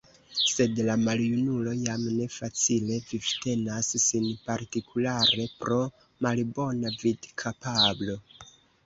Sed la maljunulo jam ne facile vivtenas sin partikulare pro malbona vidkapablo.